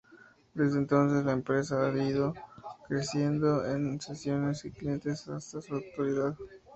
Desde entonces, la empresa ha ido creciendo en concesiones y clientes hasta la actualidad.